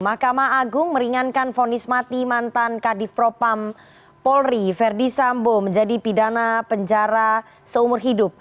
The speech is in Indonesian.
mahkamah agung meringankan fonis mati mantan kadif propam polri verdi sambo menjadi pidana penjara seumur hidup